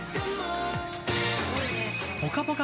「ぽかぽか」